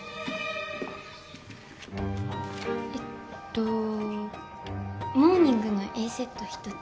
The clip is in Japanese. えっとモーニングのＡセット１つ。